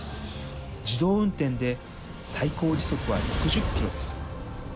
自動運転で最高時速は６０キロです。